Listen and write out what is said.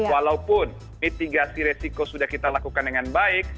walaupun mitigasi resiko sudah kita lakukan dengan baik